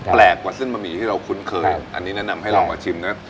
แปลกกว่าเส้นบะหมี่ที่เราคุ้นเคยอันนี้แนะนำให้ลองมาชิมนะ